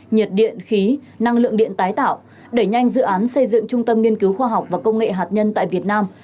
nhiệt điện khí năng lượng điện tái tạo đẩy nhanh dự án xây dựng trung tâm nghiên cứu khoa học và công nghệ hạt nhân tại việt nam